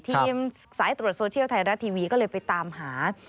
สายตรวจโซเชียลไทยรัฐทีวีก็เลยไปตามหา